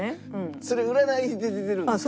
それ占いで出てるんですか？